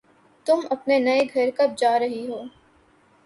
تم اپنے نئے گھر کب جا رہی ہو